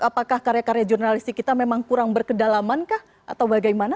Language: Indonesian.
apakah karya karya jurnalistik kita memang kurang berkedalaman kah atau bagaimana